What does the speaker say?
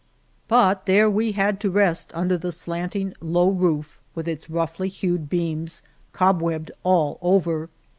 But there we had to rest under the slanting, low roof with its roughly hewed beams, cobwebbed all over.